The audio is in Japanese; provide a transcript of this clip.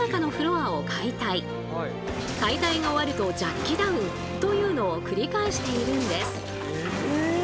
解体が終わるとジャッキダウンというのを繰り返しているんです。